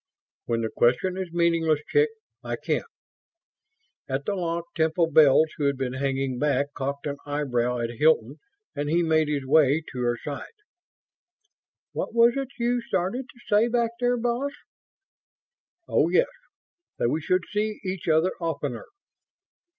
"When the question is meaningless, chick, I can't." At the lock Temple Bells, who had been hanging back, cocked an eyebrow at Hilton and he made his way to her side. "What was it you started to say back there, boss?" "Oh, yes. That we should see each other oftener."